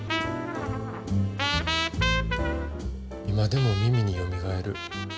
今でも耳によみがえる。